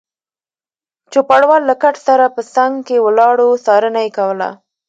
چوپړوال له کټ سره په څنګ کې ولاړ و، څارنه یې کوله.